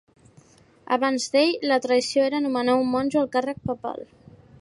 Abans d'ell la tradició era nomenar un monjo al càrrec papal.